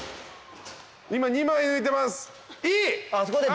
今２枚抜いてます。